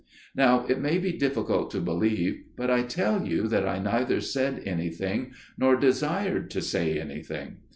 Now it may be difficult to believe, but I tell you that I neither said anything, nor desired to say anything.